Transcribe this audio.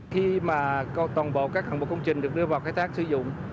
khi mà toàn bộ các hạng bộ công trình được đưa vào khai thác sử dụng